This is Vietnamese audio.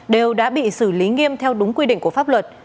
đều đã bị xử lý nghiêm theo đúng quy định của pháp luật